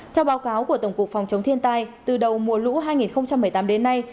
theo báo cáo của tổng cục phòng chống thiên tai từ đầu mùa lũ hai nghìn một mươi tám đến nay